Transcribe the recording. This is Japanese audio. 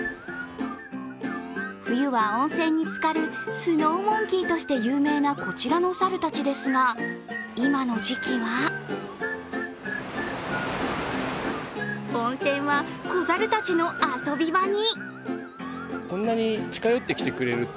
冬は温泉につかるスノーモンキーとして有名なこちらの猿たちですが、今の時期は温泉は子猿たちの遊び場に。